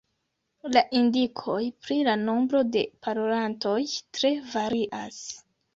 La indikoj pri la nombro de parolantoj tre varias.